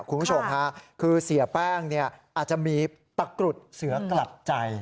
คุณผู้ชมค่ะคือเสียแป้งอาจจะมีตะกรุดเสือกลัดใจ